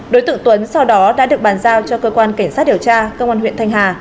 đối tượng tuấn sau đó đã được bàn giao cho cơ quan cảnh sát điều tra công an huyện thanh hà